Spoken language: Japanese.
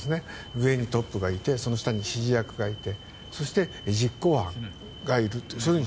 上にトップがいてその下に指示役がいてそして、実行犯がいるという。